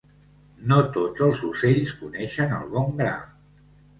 No tots els ocells coneixen el bon gra.